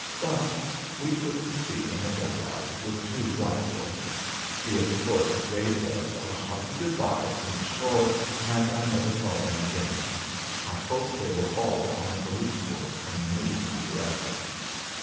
But we put to sea in a dug out with two black boys. The escort waved us a hearty good bye from the shore and I never saw them again. I hope they are all on the police force in the new Santiago.